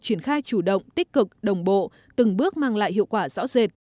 triển khai chủ động tích cực đồng bộ từng bước mang lại hiệu quả rõ rệt